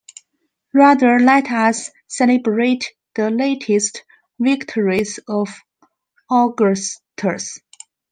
Rather let us celebrate the latest victories of Augustus.